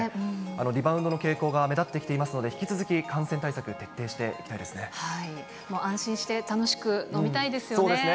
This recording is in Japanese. リバウンドの傾向が目立ってきていますので、引き続き感染対策、安心して楽しく飲みたいですそうですね。